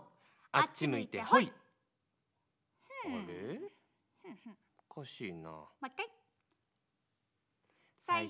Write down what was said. あっち向いてほい！